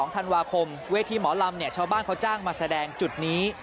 ๒ธันวาคมเวทีหมอลำชาวบ้านเขาจ้างมาแสดงจุดนี้